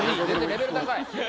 レベル高い。